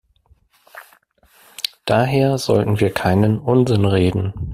Daher sollten wir keinen Unsinn reden.